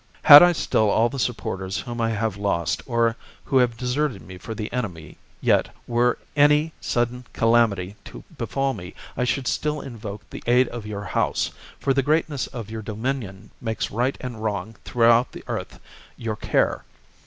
" Had I still all the supporters whom I have lost, or who have deserted me for the enemy, yet, were any sudden calamity to befall me, I should still invoke the aid of your House, for the greatness of your dominion makes right and wrong throughout the earth your care.